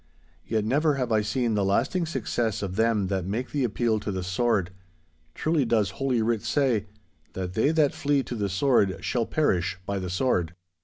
Yet never have I seen the lasting success of them that make the appeal to the sword. Truly does Holy Writ say, that they that flee to the sword shall perish by the sword.